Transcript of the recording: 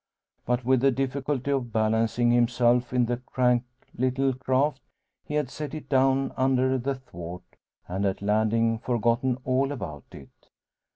But with the difficulty of balancing himself in the crank little craft he had set it down under the thwart, and at landing forgotten all about it.